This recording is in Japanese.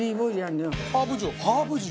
ハーブ塩？